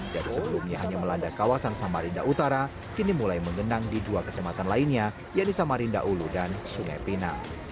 dari sebelumnya hanya melanda kawasan samarinda utara kini mulai mengenang di dua kecamatan lainnya yaitu samarinda ulu dan sungai pinang